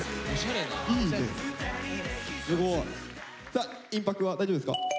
さあインパクは大丈夫ですか？